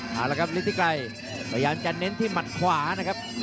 พยายามจะเน้นที่มัดขวานะครับ